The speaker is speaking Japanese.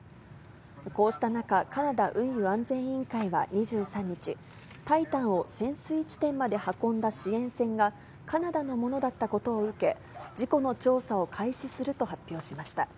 こうした中、カナダ運輸安全委員会は２３日、タイタンを潜水地点まで運んだ支援船が、カナダのものだったことを受け、事故の調査を開始すると発表しました。